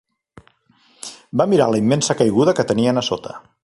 Va mirar la immensa caiguda que tenien a sota.